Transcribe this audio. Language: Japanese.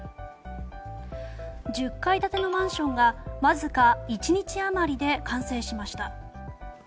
１０階建てのマンションがわずか１日余りで完成しました。